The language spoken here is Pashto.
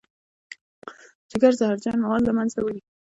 ځیګر زهرجن مواد له منځه وړي